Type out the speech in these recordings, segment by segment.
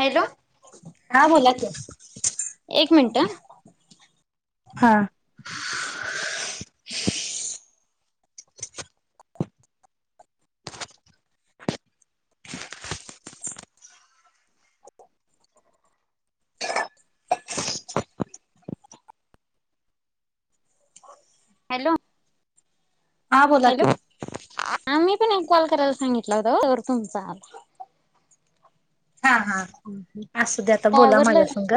Hello हा बोला की एक मिनट हा हा [unintelligible] हॅलो हा बोला की हॅलो आ मी पण एक कॉल करायला सांगितल. होता तवर तुमचा आलता. हा हा असू दे आता काय बोला आवरलं माझ्यासग,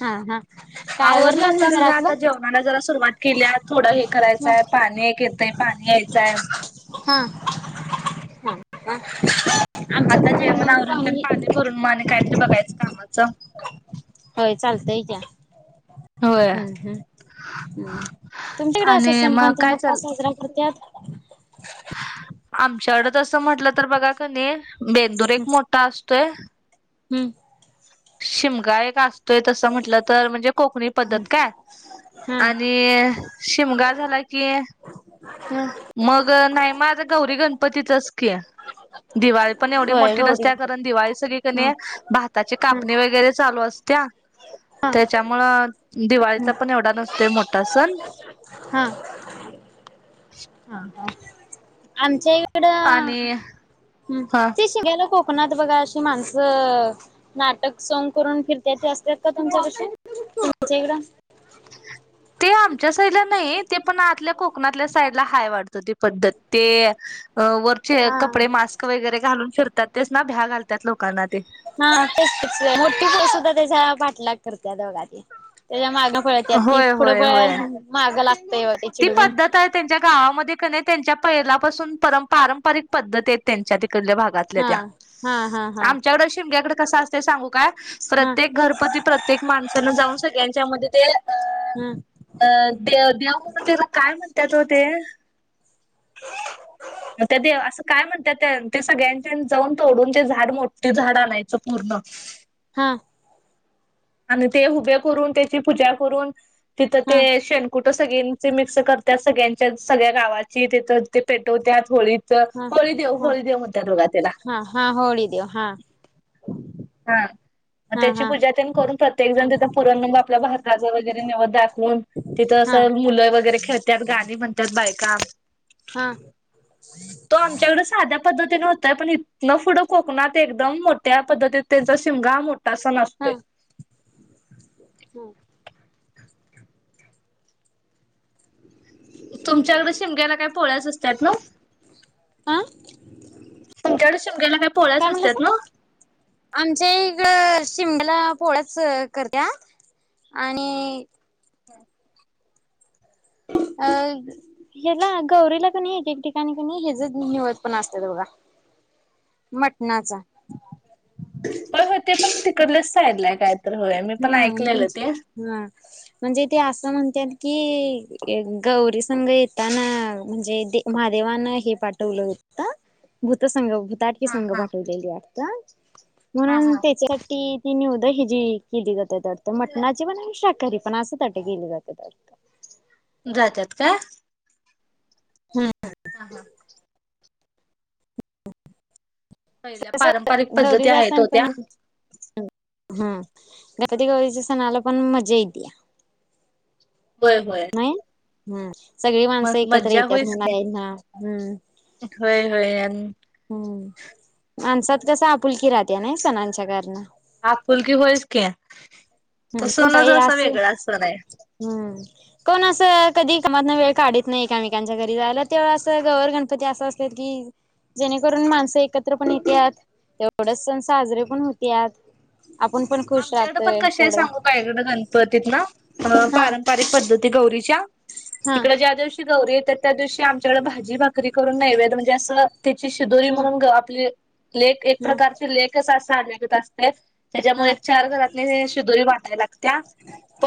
हा हा काय आवरल आवरलं आता मग बघा आता घरातलं जेवणाला जरा सुरुवात. केल्या थोडं हे करायचंय पाणी एक येतय पाणी यायचंय. हा हा आमचं आता जेवण पण आवरून तेन पाणी भरून मग आणि काहीतरी बघायचं कामाच! होय चालतंय की होय. हम्म हम्म तुमच्याकडे असं आणि सण मग कोणता काय मोठा चाल साजरा करत्यात? [unintelligible] शहरात असं म्हटलं तर बघा क नि बेंदूर एक मोठा आस तोय. हम्म. शिमगा एक असतोय तसं म्हटलं तर म्हणजे कोकणी पद्धत काय, हा आणि शिमगा झाला की हम्. मग नाही माझ गौरी गणपतीचच की, दिवाळी पण एवढी होय मोठी गौरी नसत्या कारण दिवाळी सगळी हा कणी भाताची हा कापणी वगैरे चालू अस त्या. हा त्याच्यामुळं दिवाळीचा हा पण एवढा नसतोय मो मोठा सन. हा. हा आमच्या हिकडं, आणि हम्म हा शीमग्याला खूप कोकनात बघा अशी माणसं नाटक सॉंग करून फिरत्यात ते असतात का तुमच्या इकड? ते आमच्या साईडला नाही ते पण आतल्या कोकणातल्या साईडला हाय वाटत ती पद्धत. ते वरचे हा कपडे मास्क वगैरे घालून फिरतात तेच ना भ्या घालतात लोकांना ते. हा मोठी पोर सुद्धा त्याच्या पाठलाग करत्यात बघा ते त्याच्या माग पळत्या ती होय पुढं होय पळ होय माग लाग ती पद्धत आहे त्यांच्या गावामध्ये का नाही त्यांच्या पहिलापासून पारंपरिक पद्धत आहेत, त्यांच्या कडल्या भागातल्या हा त्या हा हा हा आमच्याकडं शिमग्याकडं कस असते सांगू काय? हा प्रत्येक घरपती प्रत्येक माणसान जाऊन सगळ्यांच्या मध्ये ते अ हा अ दे देव तेला काय म्हणतात हो ते. त्या देव असं काय म्हणतात त्या ते सगळ्यांच्या जाऊन तोडून ते झाड मोठी झाड आणायचं पूर्ण हा. आणि ते हुभे करून त्याची पूजा करून तिथं ते हा शेनकुट--मी सगळ्यांचे मिक्स करत सगळ्यांच्या सगळ्या गावाची तेथ ते पेटवत्यात होळीत. हा हा हा हा हो देेव हा. हा त्याची हा पूजा तेन करून प्रत्येक जण तिथं पुरण आपल्या भाताच वगैरे नैवैद्य दाखवून तिथं हा असं मुलं वगैरे खेळतात गाणी म्हणतात बायका हा त पण न पूढ कोकनात एकदम मोठ्या पद्धत त्यांचा शिमगा मोठा सन असतोय हा अ [unintelligible] तुमच्याकड शिमग्याला काय पोळ्याच असतात ना हा तुमच्या्कड शिमगयला काय पोळ्या च असतात ना आमच्या इकडं शिमग्याला पोळ्याच करत्या आणि हम अ ह्याला गौरीला कनी हे एक ठिकाणी कनी हेच निवद पण असत बोघा मटणाचा प हो ते पण तिकडले य काय [unintelligible] पण हम ऐकलेलं ते हा म्हणजे ते असं म्हण त्यात की गौरी संघ येताना म्हणजे महादेवानं हे पाठवलंत भूतसंघ भूताटकीे हा संग हा पाठवलेली वाटतं हा म्हणून हा त्याच्यासाठी ते निवद दहिजी [unintelligible] केली जातात वाटत मटणाची पण आणि शाकाहारी पण असं ताट केली जातात जातात का हा हा पहिल्या तस पारंपरिक पद्धती आहेत हो त्या हम गौरी गणपतीच्या सणाला पण मजा येतिया, होय होय हम् सगळी माणसं मस्त एकत्र मज्जा येत्यात होईच की ना हम् होय होय आणि हम्म माणसात कस आपुलकी राहत्या नाही सणांच्या कारण आप फुलकी होयस की तो हम् कोणत सणच हे असा असस वेगळा सण आहे हम्म कोण अस कधी एकामातन वेळ काढत नाही एकमेकांच्या घरी जायला तेव असं गौवर गणपती असं असत की जेणेकरून माणसं एकत्र पण येत तेवढच सण साजरे पण होत्यात आपण पण खुश आमच्याकडे पण राहतोय, कसे काय तेवढं सांगूत इकडं गणपतीत ना अ हा पारंपारिक पद्धती गौरी च्या. हा तिकड ज्यादिवशी गौरी येतात. त्या दिवशी आमच्याकडे भाजी भाकरी करून नैवेद्य म्हणजे असं त्याची शिदोरी हा म्हणून आपली लेख एक हा प्रकारची लेखच अस साजत असतात. हा त्याच्यामुळे चार घरातली हे शिदोरी वाटाय लागत्या,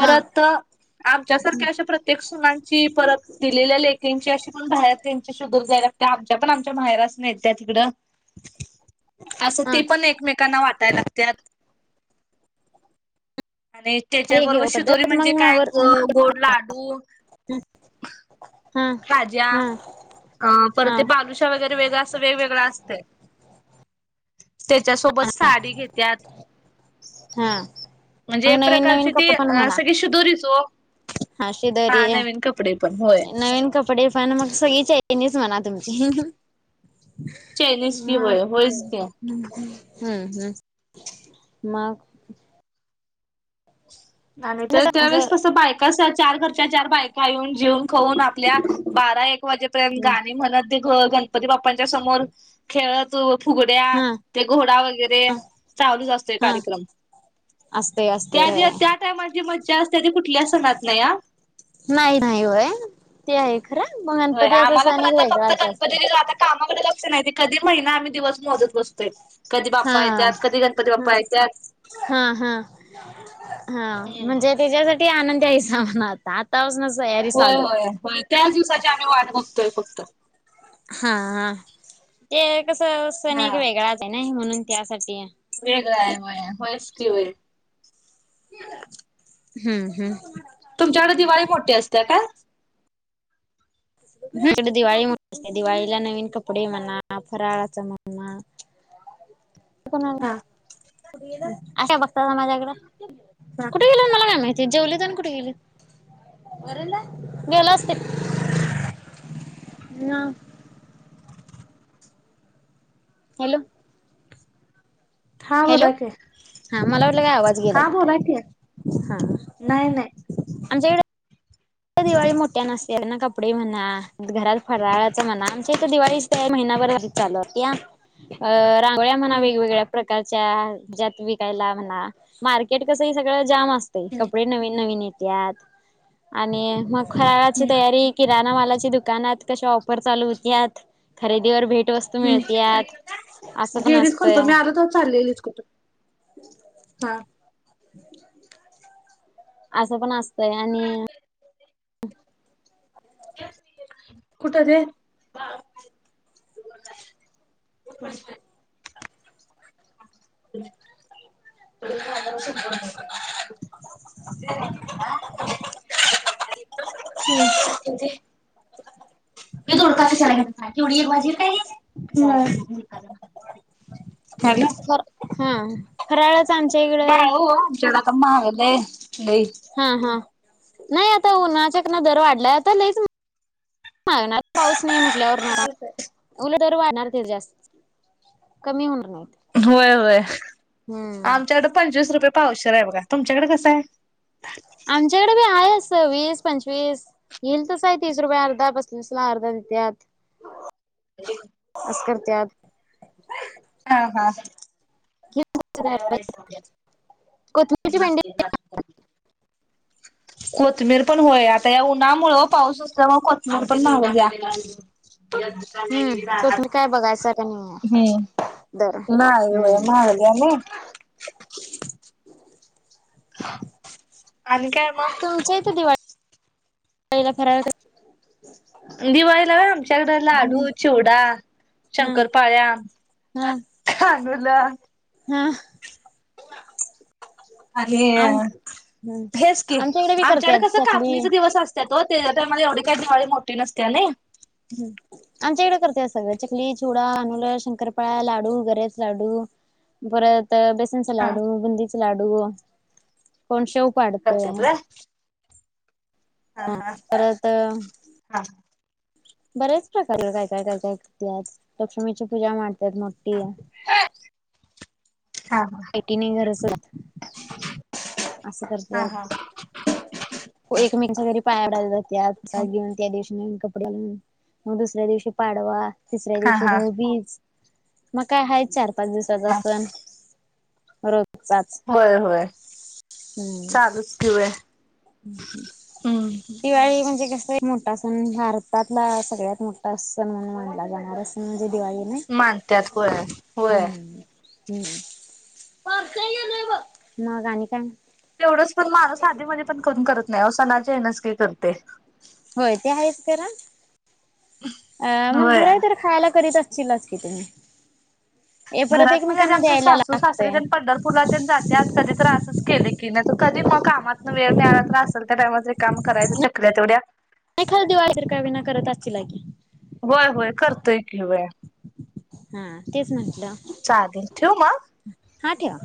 हा आमच्यासारख्या अशा प्रत्येक सुनांची परत दिलेल्या लेकिंची अशी म्हणून [unintelligible] [unintelligible] आमच्या पण आमच्या माहेरासनी येत्यात हीकडं. असं हा ती पण एकमेकांना वाटाय लागत्यात. आणि त्याच्याबरोबर रेडिओ शिदोरी पद्धत मग म्हणजे काय वर गोड लाडू हा खाज्या हा अ हा परत बालुशा वगैरे वेगळ असं वेगवेगळं असतं. त्याच्यासोबत साडी घेत्यात हा म्हणजे मग एक नवीन नवीन प्रकारची ती कपडे पण म्हणा सगळी शिदुरीच ओ. हा हा शेजारी नवीन कपडे पण होय. डे पण मग सगळी चैनीचं म्हणा तुमची. हम्म, चायनीज की हम्म. होय होयच की. हम्म हम्म, मग. आणि ते असं त्यावेेळेस कसं बायकासाठी चार घरच्या चार बायका येऊन जीऊन खाऊन आपल्या बारा एक वाजेपर्यंत गाणी म्हणतं गणपती बाप् पांच्या समोर खेळत हो फुगड्या हा ते घोडा वगैरे हा चालूच असतोय हा कार्यक्रम असते असते त्या ज्या माझी मज्जा असते कु नाही नाही होय ते आहे खरं मग होय गणपती असं आम्हाला सण पण एक आता फक्त वेगळाच असतय गणपती आता काम लक्ष नाही कधी महिना आम्ही दिवस मोजत बसतोय कधी हा बाप्पा येतात कधी गणपती हा बाप्पा येतात हा हा हम्म. ते आनंदी हाईस. [unintelligible] होय. होय. होय. त्याच दिवसाची आम्ही वाट बगतोय फक्त. हा... ते. कस? सण हा एक वेगळा हाय. नाही म्हणून, त्यासाठी... वेगळा हाय. व्हय. व्हयस कीं, व्हय. हं. हं. तुमच्याकडे दिवाळी मोठी असते काय? आमच्याकडे दिवाळी मोठठी असते. दिवाळीला नवीन कपडे म्हना, फराळाचं म्हना.. [unintelligible] हा तवा माझ्याकड. हा कुठं गेला मला नाय माहित? ते जेवलेत आनी कुठं गेलेत? गेलं असतील. ना. हॅलो! हा हॅलो! बोला की हा, मला वाटलं काय आवाज गेला हा कीं बोला काय? की हा. नाही नाही आमच्याकढ कडं दिवाळी मोठ्या नसत्यात ना. कपडे म्हना, घरात फराळाचं म्हना, आमच्या इथं दिवाळीच काय महिनाभर चालू असतया. अ.. गोळ्या म्हना हम्म वेगवेगळ्या प्रकार च्या ज्यात विकायला म्हना, मार्केट कस हे सगळं जाम आं स्तय हम्म कपडे नवीन नवीन त्या... तं. आणि.... खायाच हम्म. तयारी के रानामलाच्या दुकानात कशा ऑफर चालू होत्यात? खरेदीवर वस्तू हं. मिळत्यात. असं पण गेलीच कोन? असतंय पन मी आलो तवाच चाल्लेली कुठं? हा. रिकामा ऑडिओ आस पन असत तय आनी. अहं. [unintelligible] कुठं ते? [unintelligible] [inaudible] रिकामा ऑडिओ हं [inaudible] हो. हा. फराळ नाही हो महागले. हा हा. नाही आता उन्हाचा क ना दर वाढलाय आता लईच मागणार पाऊस तु उठल्यावर उलट. दर वाणार ते जास्त कमी होणार नाही. होय होय आमच्याकड पंचवीस रुपये पावशेर आहे बघा तुमच्याकड कसं आहे. आमच्याकड हायेच. सववीस पंचवीस येईल तसा आहे तीस रुपये अर्धा ला अर्धा देत्यात. बस कर. त्यात. हा हा. कोथमीरची भेंडी कोतमीर पण होय आता या उन्हामुळं पाऊस असल्यामुळ कोथमीर पण लावल्या. हम्म कोथमीर काय बघायसारखं नाहीये दर हम्म ना हो हम्म माहगल्या नाही. [unintelligible] [unintelligible] आणि काय मग. पहिला फराळ कर. दिवाळीला वय आमच्याकड लाडू हम्म चिवडा हा शंकरपाळ्या हा हा. ल हा अरे आम हम्म हेच की आमच्या इकडे बी आमच्याकड करत्यात कस कापणीच चकली दिवस असत्यात ओ तुम्हाला एवढी काय दिवाळी मोठी नसत्या नय ह आमच्या इकडं करत्यात सगळं चकली, चुडा अनुल, शंकरपाळ्या, लाडू गऱ्याच लाडू परत बेसनच हा लाडू, बुंदीच लाडू कोण शेव पाडतंय करत्यात व्हय हा परत हा बऱ्याच प्रकारे काय, काय, काय, काय करत्यात लक्ष्मीची पूजा मांडत्यात मग मोठी [unintelligible] हा [unintelligible] अस हा हा हा करत्यात एक मेकिंच्या घरी पायाा पडायला जायचं त्याज घेऊन त्या दिवशी कपडे घालून मग दुसऱ्या दिवशी पाडवा तिसऱ्या हा दिवशी हा भाऊबीज म का हाय चार पाच दिवसाचा सण र होय होय हम्म चालूच की होय हम्म दिवाळी म्हणजे मोठा सण भारतातला सगळ्यात मोठा सण म्हणून मानला जाणार सण दिवाळी ना मानत्यात होय, होय हम्म मग आणि काय तेवढंच पण माणूस आधी म पण करून करत नाही सणाच्या ह्यानच ते करते होय ते आहेच खरं अ मग होय. घरही तर खायला करीत अस ची लाच की तुम्ही हे परत घरात म्हणजे आ एकमेकांना आमच्या द्यायला सासू लागतय सासरे नाही पंढरपूरला जातेत कधी आसच केले के नाही कधी मग कामातन वेळ मिळाला तर असेल त्या टायम काम करायचं चकल तेवढ्या नाही खर दिवजर का विना करत असतील ला की होय होय करतोय की हा तेच मग चहा तेन ठेवू म हा ठेवा